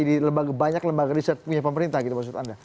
jadi banyak lembaga riset punya pemerintah gitu maksud anda